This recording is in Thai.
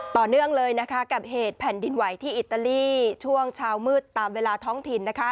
ต่อเนื่องเลยนะคะกับเหตุแผ่นดินไหวที่อิตาลีช่วงเช้ามืดตามเวลาท้องถิ่นนะคะ